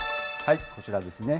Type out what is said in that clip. こちらですね。